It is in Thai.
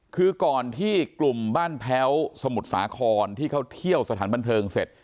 คือก่อนที่กลุ่มบ้านแพ้วสมุทรสาครที่เขาเที่ยวสถานบันเทิงเสร็จ